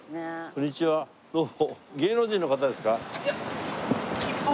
こんにちはどうも。